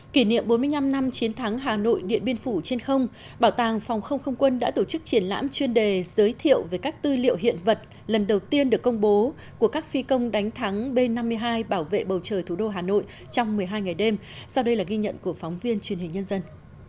kỷ niệm bốn mươi năm năm chiến thắng hà nội điện biên phủ trên không bảo tàng phòng không không quân đã tổ chức triển lãm chuyên đề giới thiệu về các tư liệu hiện vật lần đầu tiên được công bố của các phi công đánh thắng b năm mươi hai bảo vệ bầu trời thủ đô hà nội trong một mươi hai ngày đêm sau đây là ghi nhận của phóng viên truyền hình nhân dân